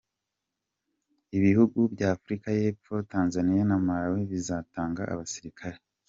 Ibihugu by’Afrika y’Epfo, Tanzaniya na Malawi bizatanga abasirikare.